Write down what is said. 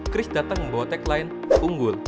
chris datang membawa tagline unggul